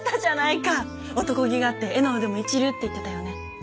男気があって絵の腕も一流って言ってたよね